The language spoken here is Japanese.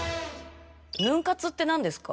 ヌン活って何ですか？